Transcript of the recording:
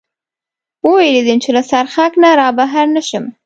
و وېرېدم، چې له څرخک نه را بهر نه شم.